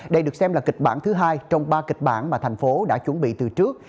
đây được xem là kịch bản thứ hai trong ba kịch bản mà thành phố đã chuẩn bị từ trước